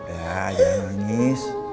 udah jangan nangis